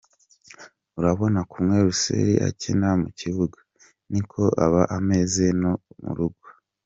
Urabona kumwe Russell akina mu kibuga; ni ko aba ameze no mu rugo.